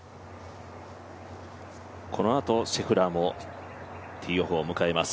このあとシェフラーもティーオフを迎えます。